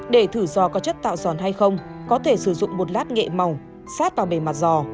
để thử giò có chất tạo giòn hay không có thể sử dụng một lát nghệ mỏng sát vào bề mặt giò